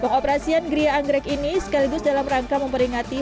pengoperasian kria anggrek ini sekaligus dalam rangka memperingatkan